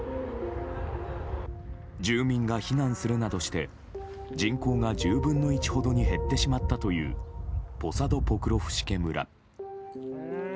住民が避難するなどして人口が１０分の１ほどに減ってしまったというポサド・ポクロフシケ村。